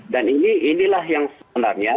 dan ini inilah yang sebenarnya